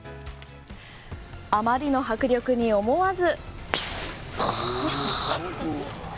あまりの迫力に思わず。